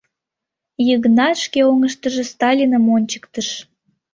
— Йыгнат шке оҥыштыжо Сталиным ончыктыш.